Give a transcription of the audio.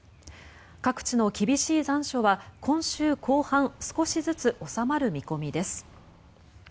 各地の厳しい残暑は今週後半少しずつ収まる見込みです。